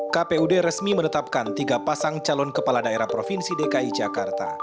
kpud resmi menetapkan tiga pasang calon kepala daerah provinsi dki jakarta